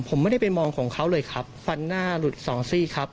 ผมไม่ได้ไปมองของเขาเลยครับฟันหน้าหลุดสองซี่ครับ